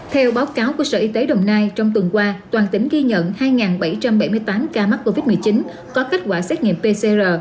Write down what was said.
theo báo cáo của sở y tế đồng nai trong tuần qua toàn tỉnh ghi nhận hai bảy trăm bảy mươi tám ca mắc covid một mươi chín có kết quả xét nghiệm pcr